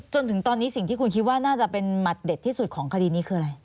จนถึงตอนนี้สิ่งที่คุณคิดว่าน่าจะเป็นหมัดเด็ดที่สุดของคดีนี้คืออะไร